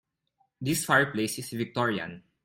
This fireplace is Victorian.